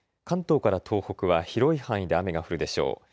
関東から東北は広い範囲で雨が降るでしょう。